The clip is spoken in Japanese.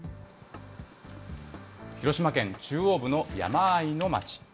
広島県中央部の山あいの町。